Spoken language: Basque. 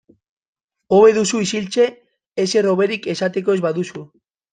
Hobe duzu isiltze ezer hoberik esateko ez baduzu.